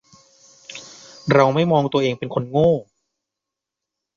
เราไม่มองตัวเองเป็นคนโง่